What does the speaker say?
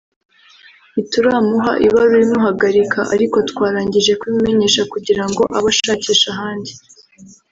ntituramuha ibaruwa imuhagarika ariko twarangije kubimumenyesha kugira ngo abe ashakisha ahandi”